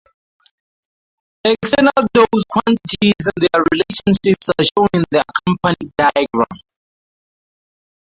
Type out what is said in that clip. The external dose quantities and their relationships are shown in the accompanying diagram.